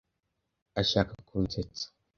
Ashaka kunsetsa.